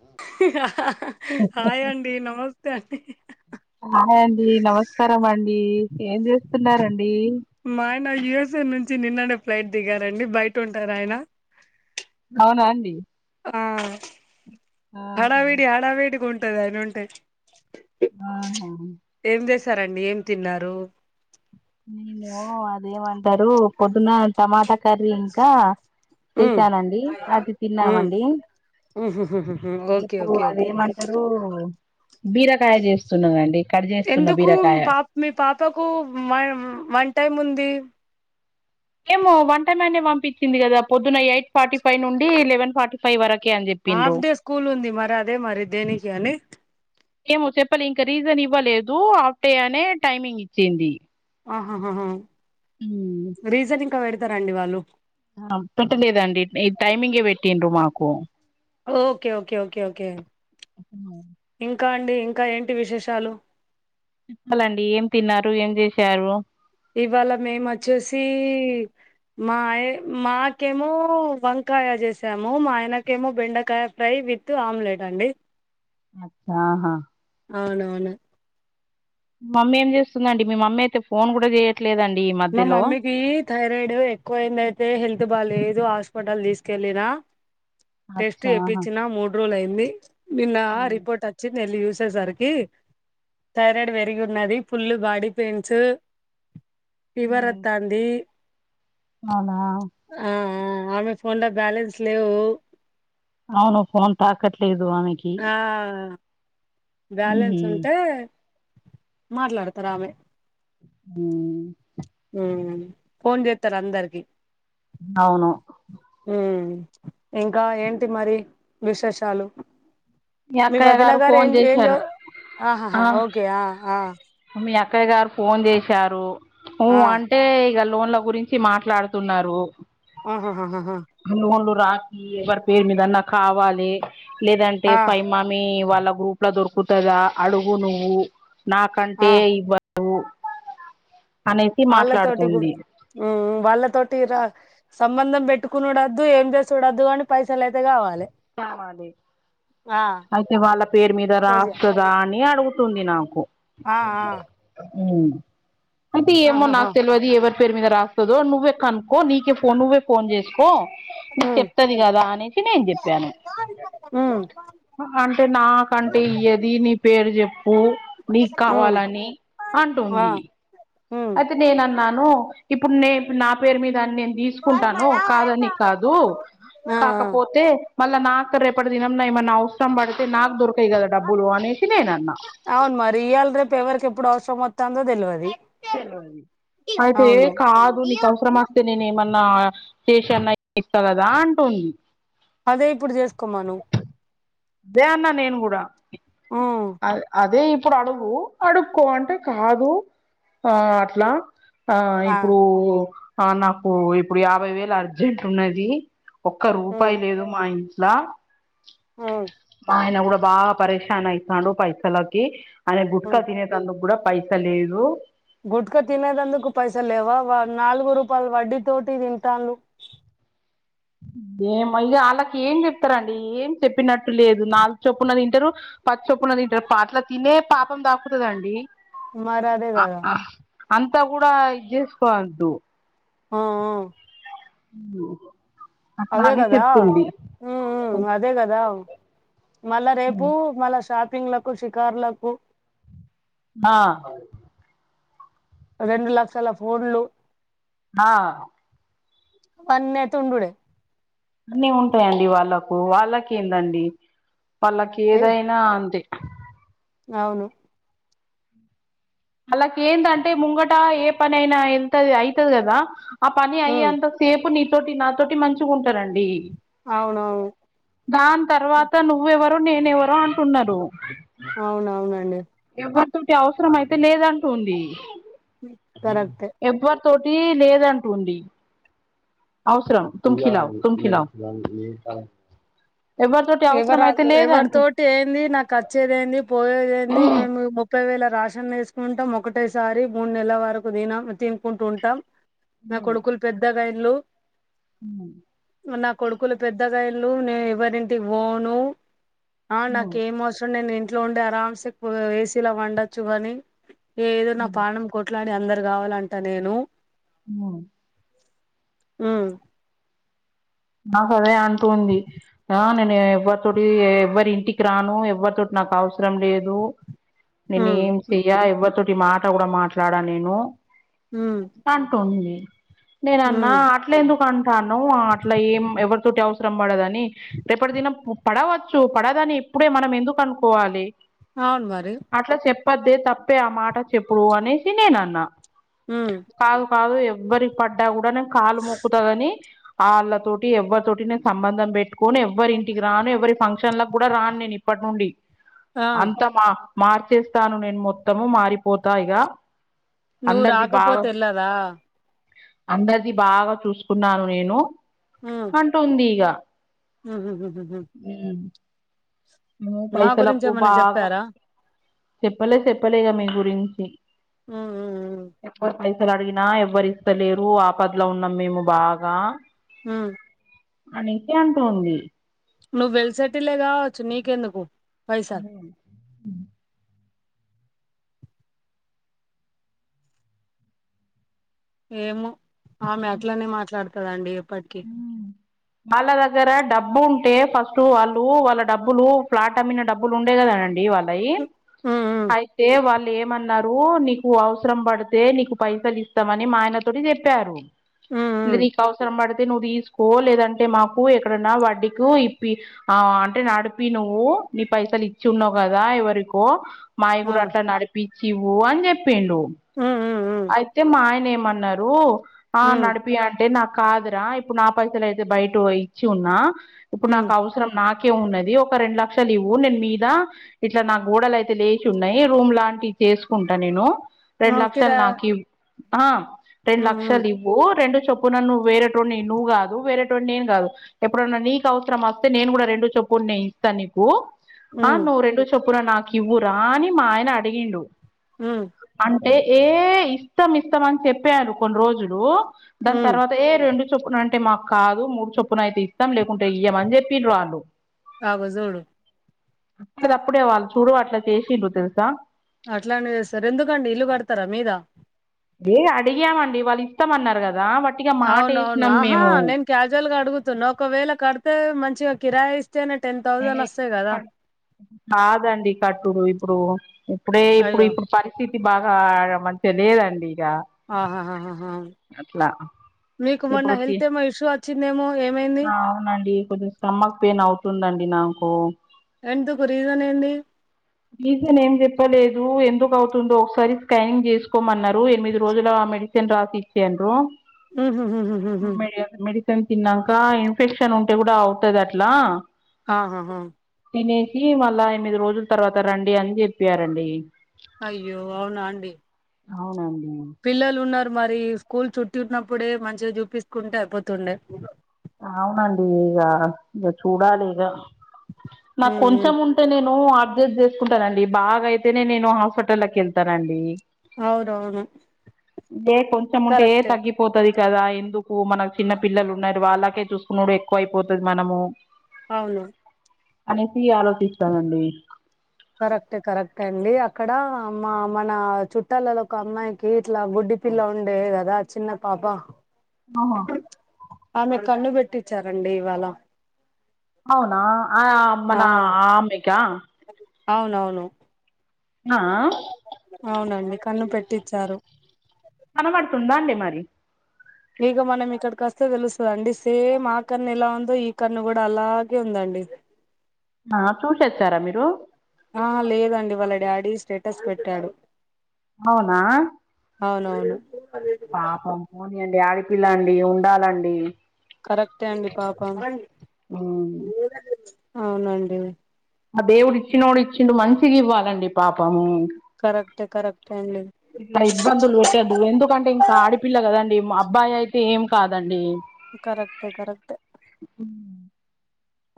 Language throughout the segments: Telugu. ఆ హాయ్ అండి, నమస్తే అండి. హాయ్ అండి, నమస్కారం అండి. ఏం చేస్తున్నారండి? మా ఆయన యుఎస్ఏ నుంచి నిన్ననే ఫ్లైట్ దిగారండి బయట ఉంటారు ఆయన. అవునా అండి. ఆ ఆహా హడావిడి హడావిడిగా ఉంటది అయన ఉంటే. ఆహా ఏం చేసారండి? ఏం తిన్నారు? నేను అదేమంటారు పొద్దున్న టమాటా కర్రీ ఇంకా ఉమ్ చేసానండి అది ఉమ్ తిన్నామండి, ఉహుహుహుహు ఓకే ఇప్పుడు ఓకే ఓకే అదేమం రు బీరకాయ చేస్తున్నానండి కడ్ చేస్తున్న ఎందుకు బీరకాయ. పాప మీ పాపకు వ వన్ టైం ఉంది. ఏమో వన్ టైం అనే పంపిచ్చింది కదా పొద్దున ఎయిట్ ఫార్టీ ఫైవ్ నుండి లెవెన్ ఫార్టీ ఫై వరకె అని చెప్ హాఫ్ డే స్కూల్ ఉంది మరి అదే మరి దేనికి అని. ఏమో చెప్పలె ఇంకా రీజన్ ఇవ్వలేదు ఆఫ్ డే అనే టైమింగ్ ఇచ్చింది. ఆహాహాహ ఉమ్ రీజన్ ఇంకా పెడతరండి వాళ్ళు. ఆ పెట్టలేదండి ఈ టైమింగే పెట్టిండ్రు మాకు. ఓకే ఓకే ఓకే ఓకే ఇంకా అండి ఇంకా ఏంటి విశేషాలు. ప్పాలండి ఏం తిన్నారు, ఏం చేశారు? ఇవ్వాళ మేము వచ్చేసి మాయ మాకేమో వంకాయ చేసాము, మా ఆయనకేమో బెండకాయ ఫ్రై విత్ ఆమ్లెట్ అండి. ఆహా అవున అవును. మమ్మీ ఏం చేస్తుందండి? మీ మమ్మీ అయితే ఫోన్ కూడా చేయట్లేదండి ఈ మా మధ్యలో. మమ్మీకి థైరాయిడ్ ఎక్కువ అయింది అయితే హెల్త్ బాలేదు హాస్పిటల్ తీసుకెళ్ళిన. టెస్ట్ అచ్చాహా చేపిచ్చినా మూడు రోజులు అయింది నిన్న రిపోర్ట్ అ చ్చింది, వెళ్లి చూసేసరికి థైరాయిడ్ పెరిగి ఉన్నది ఫుల్ బాడీ పెయిన్స్. ఫీవర్ వత్తాంది. అవునా ఆ ఆ ఆమె ఫోన్ల బ్యాలెన్స్ లేవు. అవును ఫోన్ తాకట్లేదు ఆమెకి. ఆ బ్యాలెన్స్ ఉమ్ ఉంటే మాట్లాడతరు ఆమె. ఉ ఫోన్ చేత్తన్నా అందరికి. అవును హ్ ఇంకా ఏంటి మరి విశేషాలు? మీ అక్కయ్య వదిన గారు ఫోన్ ఏం ఏం చేశారు చది ఆ ఆహహా ఓకే ఆ ఆ మీ అక్కయ్య గారు ఫోన్ చేశారు, ఉ ఆ అన్ అంటే ఇగ లోన్ల గురించి మాట్లాడుతున్నారు. ఆహాహహహ లోన్లు రాకి ఎవరి పేరు మీదన్నా కావాలి లేదంటే ఆ పైమా మీ వాళ్ళ గ్రూప్ల దొరుకతదా అడుగు నువ్వు ఆ నాకంటే. రు వాళ్ళ తోటి గు వాళ్ళ తోటి రా సంబంధం పెట్టుకునుడు వద్దు ఏం చేసుడు వద్దు కాని పైసలయితే కావాలి ఆ అయితే వాళ్ళ పేరు మీద ఫోజియా రాస్త రా అని అడుగుతుంది నాకు ఆ ఆ ఉ అయితే ఏమో ఆహాహా నాకు తెలియదు ఎవరి పేరు మీద రాస్తదో నువ్వే కనుక్కో నీకే ఫోన్ నువ్వే ఫోన్ చేసుకో నీకు ఉమ్ చెప్తది కదా అనేసి నేను చెప్పాను ఉమ్ అంటే నాకంటే ఇయ్యది నీ పేరు చెప్పు నీకు కావాలని అంటుంది ఉ తే నేను అన్నాను ఇప్పుడు నేను నా పేరు మీద నేను తీసుకుంటాను కాదని కాదు ఆ ఆ కాకపోతే మళ్ళా నాతో రేపటి దినమున ఏమన్నా ఆవస సరం బడితే నాకు దొరకవ్ గదా డబ్బులు అనేసి నేను అన్న అవును మరి ఇయల రేపు ఎవరికి ఎప్పుడు అవసరం వత్తాందో తెలవది అయితే కాదు నీకు అవసరమా అయితే నేను ఏమన్నా పేషియన్ ఇత్త కదా అంటుంది అదే ఇప్పుడు చేసుకోమను దే అన్న నేను కూడా ఉమ్ అ అదే ఇప్పుడు అడుగు అడుక్కో అంటే కాదు ఆ అట్లా ఆ ఇప్పుడు ఆ నాకు ఇప్పుడు యాభై వేలు అర్జెంట్ ఉన్నది ఒక్క రూపాయి ఉమ్ లేదు మా ఇంట్లా అవు ఆయన కూడా బాగా పరేషన్ అయితాండు పైసలకి ఆయన గుట్కా ఉమ్ తినే తినే అందుకు కూడా పైస లేదు గుట్క తినేదందుకు పైసాలు లేవా వా నాలుగు రూపాయలు వడ్డీ తోటి తింటాండు బే మయ్య వాళ్ళకి ఏం చెప్పారండి ఏం చెప్పినట్టు లేదు నా చొప్పున్నది ఇంటరు పచ్చొప్పున తింటారు ఆట్ల తినే పాపం తాకుతది అండి మరి అదే కదా అంతా కూడా ఇది చేసుకోవద్దు ఆ ఆ ఉ అదే కదా ఉ ఉ అదే కదా మళ్ళా రేపు మళ్ళా షాపింగ్ లకు షికారులకు నా రెండు లక్షల ఫోన్లు నా అవన్నీ అయితే ఉండుడే అన్నీ ఉంటాయండి వాళ్ళకు వాళ్ళకి ఏందండి వాళ్ళకి ఏ, ఏదైనా అంతే అవును వాళ్ళకు ఏంటంటే ముంగట ఏ పని అయినా ఎంత అయతది కదా ఆ పని ఉమ్ అయ్యేంత తేపు నీతోటి నాతోటి మంచిగా ఉంటారండి అవును దాని తర్వాత నువ్వు ఎవరో నేను ఎవరో అంటున్నారు అవునవునండి ఎవరితోటి అవసరం అయిత లేదంటుంది కరెక్టే ఎవ్వరి తోటి లేదు అంటుంది అవసరమ్ తుమ్కి నావు తుమ్కి నావు ఎవరి తోటి అవసరం ఎవర అయితే లేదంటూ ఎవరితోటి ఏంది నాకు ఖర్చ్చేది ఏంది పోయేది ఏంది మేము ముప్పై వేల రేషన్ వేసుకుంటాం ఒకటి ఒకటేసారి మూడు నెలల వరకు తినం తినుకుంటు ఉంటాం నా ఉ కొడుకులు పెద్దగా ఐల్లు నా కొడుకులు పెద్ద పెద్దగా అయ్యిండ్రు నేను ఎవ్వరింటికి పోను ఆ ఉ ఉ నాకేం అవస ఇ నేను ఇంట్లో ఉండి అరామ్సే ఏసీలో వండొచ్చు గని ఏదో నా ఉ పాణం కొట్లాడి అందరు కావాలంట నేను ఉ ఉ నాకు అదే అంటుంది ఆ నేను ఎవరు పుడు ఎవ్వరి ఇంటికి రాను ఎవ్వరితోటి నాకు అవసరం లేదు నేను ఉమ్ ఏం చె ఎయ్యా ఎవ్వరితోటి మాట కూడా మాట్లాడను నేను మ్ అంటుంది నేను అన్నా అట్లే ఎందుకు అంటానవు అట్లా ఏం ఎవరి తోటి అవసరం పడది అని రేపటిదినం పడవచ్చు పడదని ఇప్పుడే మనం ఎందుకు అనుకోవాలి అవును మరి అట్లా చెప్పద్దే తప్పే ఆ మాట చెప్పుడు అనేసి నేను అన్నా మ్ కాదు కాదు ఎవ్వరికి పడ్డా కూడా నేను కాలు మొక్కుతదని వాళ్ళతోటి ఎవ్వరి తోటి నేను సంబంధం పెట్టుకొని ఎవ్వరి ఇంటికి రాను ఎవరి ఫంక్షన్లకు కూడా రాను నేను ఇప్పటి నుండి ఆ అంత మా మార్చేస్తాను నేను మొత్తము మారిపోతా ఇగ నువ్వు అందరిది బాగా రాకపోతే ఎల్లదా అందరిది బాగా చూసుకున్నాను నేను ఊ అంటంది ఇగ హమ్హమ్మ్ హ్మ్ మా గురించి పైసలకు ఏమన్నా బాగా చెప్పారా చెప్పలే చెప్పలే ఇగ మీ గురించి హ్మ్ ఎవ్వరు పైసలు అడిగినా ఎవ్వరు ఇస్తలేరు ఆపదలో ఉన్నాం మేము బాగా హ్మ్ అనికే అంటుంది నువ్వు వెల్ సెటిలేగా కావచ్చు నీకెందుకు పైసలు ఉమ్ ఏమో ఆమె అట్లనే మాట్లాడతదండి ఎప్పటికీ ఉ వాళ్ళ దగ్గర డబ్బు ఉంటే ఫస్ట్ వాళ్ళు వాళ్ళ డబ్బులు ఫ్లాట్ అమ్మిన డబ్బులు ఉండే కదానండి వాళ్ళు అయి ఉమ్ ఉమ్ అయితే వాళ్ళ ఏమన్నారు నీకు అవసరం పడితే నీకు పైసలు ఇస్తామని మా ఆయన తోటి చెప్పారు ఉమ్ ఉమ్ నీకు అవసరం పడితే నువ్వు తీసుకో లేదంటే మాకు ఎక్కడన్నా వడ్డీకు ఇప్పి ఆ అంటే నడిపి నువ్వు నీ పైసలు ఇచ్చి ఉన్నావ్ కదా ఎవరికో మాయి ఆ కూడా అట్లా నడి పిచ్చివు అని చెప్పిండు ఉమ్ ఉమ్ ఉమ్ అయితే మా ఆయన ఏమన్నారు ఆ ఉమ్ నడిపి అంటే నాకు కాదురా ఇప్పుడు నా పైసలు అయితే బయట ఇచ్చి ఉన్నా ఇప్పుడు, ఉమ్ నాకు, అవసరం, నాకే, ఉన్నది. ఒక రెండు, లక్షలు, ఇవ్వు, నేనుమీద, ఇట్లా, నాగోడలు, అయితే, లేచి, ఉన్నాయి రూమ్ లాంటివి, చేసుకుంటా, నేను, ఆ రెండులక్షలు, కిరా నాకివ్వు, ఉమ్ రెండులక్షలు, ఇవ్వు, రెండుచొప్పునా, నువ్వు, వేరే, ఎ నువ్వుకాదు, వేరేటోనీ, నేనుకాదు, ఎప్పుడన్నా, నీకుఅవసరం, వస్తే, నేను, కూడా, రెండు చోప్పునే, ఇస్తా, నీకు, ఆ, ఉమ్ నువ్వు, రెండు, చొప్పున, నాకుఇవ్వురా, అని, మా, ఆయన, అడిగిండు. హ్మ్ అంటే, ఏ ఇస్తం, ఇస్తాం, అని, చెప్పారు. కొన్ని రోజులు, దానితర్వాత, ఏ రెండు చొప్పున అంటే మాకు కాదు మూడు చొప్పున అయితే ఇస్తాం. లేకుంటే ఇయ్యం అని చెప్పి వాళ్ళు అగో జూడు కదా, అప్పుడే, వాళ్ళు, చూడు, అట్లాచేసిండ్రు, తెలుసా, అట్లానే, చేస్తారు. ఎందుకండి, ఇల్లు, కడతారా, మీద ఏ, అడిగామండి. వాళ్ళు, ఇస్తామన్నారు, కదా, వట్టిగా, మాట, యేసినం, మేము, క్యాజువల్గా, అడుగుతున్నా, ఒకవేళ, కడితే, మంచిగా, కిరాయి, ఇస్తేనే, టెన్ థౌసండ్ వస్తాయి. కదా, కాదండి కట్టుడు ఇప్పుడు ఇప్పుడే ఇప్పుడు అయ్యో ఇప్పుడు పరి స్థితి, బాగా, ఆమంచిగా లేదండి. ఇక ఆహాహ, అట్లా మీకు మొన్న ఇప్పుడు హెల్త్ ఏమో ఇష్యూ వచ్చిందేమో, ఏమైంది. అవునండి, కొద్ది స్టమక్ పెయిన్, అవుతుందండి నాకు ఎందుకు రీజన్ ఏంది. రీజన్ ఏం చెప్పలేదు. ఎందుకు అవుతుందో ఒకసారి స్కానింగ్ చేసుకోమన్నారు, ఎనిమిది రోజులమెడి మెడిసిన్ రాసించిర్రు ఉహు ఉహు మెడిసిన్ తిన్నాక ఇన్ఫెక్షన్ ఉంటే కూడా అవుతది అట్లా ఆహాహా తినేసి మళ్ళా ఎనిమిది రోజుల తర్వాత రండి. అని చెప్పారండి. అయ్యో అవునా అండి. అవునండి. పిల్లలు ఉన్నారు. మరి స్కూల్ [unintelligible] చుట్టటి ఉన్నప్పుడే మంచిగా చూపిించకుంటే అయిపోతుండే, అవునండి ఇగ ఇగ చూడాలి. ఇగ నాకు ఉమ్ ఉమ్. కొంచెం ఉం అయితే నేను అడ్జెస్ట్ చేసుకుంటానండి. బాగా అయితేనే నేను హాస్పిటల్ కి యెళ్తానండి. అవునవును ఏ కొంచెం ఉంటే ఏ కరెక్టే తగ్గి పోతుది కదా ఎందుకు మనకు చిన్న పిల్లలు ఉన్నారు. వాళ్ళకే చూసుకునుడు ఎక్కువ అయిపోతుంది. మనము అవును, అనేసి ఆలోచిస్తానండి. కరెక్టే కరెక్టే అండి. అక్కడ మా మన చుట్టాలలో ఒక అమ్మాయికి ఇట్లా గుడ్డి పిల్ల ఉండే కదా, చిన్నపాప, అవునా, ఆమెకు కన్ను పెట్టిచారండి. ఇవాళ అవునా, ఆ మన ఆ ఆమెకా అవునవును ఆ అవునండి. కన్ను పెట్టించారు. కనబడుతుందా, అండి మరి ఇగ మనం ఇక్కడికి అస్తే తెలుస్తాదండి, సేమ్ ఆ కన్ను ఎలా ఉందో ఈ కన్ను కూడా అలాగే ఉందండి. ఆ చూసి వచ్చారా మీరు ఆ లేదండి వాళ్ళ డాడీ స్టేటస్ పెట్టాడు అవునా అవునవును పాపం పోనీయండి ఆడపిల్లండి ఉండాలండి కరెక్టే అండి పాపం ఉమ్ అవునండి ఆ దేవుడు ఇచ్చినోడు ఇచ్చిండు మంచిగ ఇవ్వాలండి పాపం కరెక్టే కరెక్టే అండీ ఇట్లా ఇబ్బందులు పెట్టదు ఎందుకంటే ఇంకా ఆడిపిల్ల కదండి మా అబ్బాయి అయితే ఏం కాదండి కరెక్టే కరెక్టే ఉ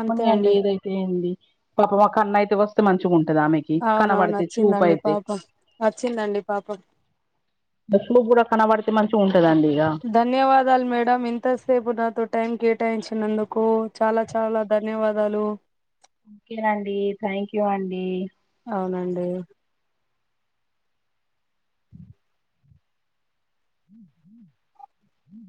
అంతే పోనీయండి అండి ఏదైతే ఏంది పాప మాకు అన్న అయితే వస్తే మంచిగా ఉంటదామె అవునవున వొచ్చిందండి పాపం వొచ్చిందండి పాపం [unintelligible] కూడా కనబడితే మంచిగ ఉంటదండి ఇక ధన్యవాదాలు మేడం ఇంతసేపు నాతో టైం కేటాయించినందుకు చాలా చాలా ధన్యవాదాలు ఓకేనండి థ్యాంక్ యూ అండి అవునండి